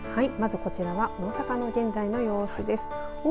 はい、まずこちらは大阪の現在の様子です。